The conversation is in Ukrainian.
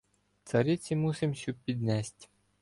Цариці мусим сю піднесть.